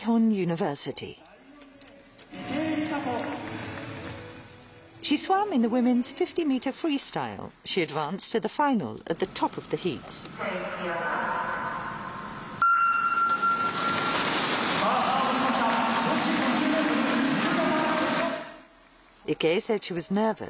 さあ、スタートしました。